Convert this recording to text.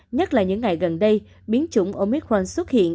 nhất là những ngày gần đây biến chủng omitran xuất hiện